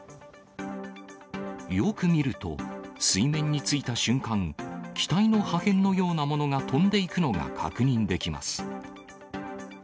よく見ると、水面についた瞬間、機体の破片のような物が飛んでいくのが確認できます。